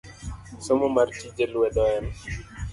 Somo mar tije lwedo en